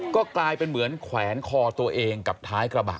ก็กลายเป็นเหมือนแขวนคอตัวเองกับท้ายกระบะ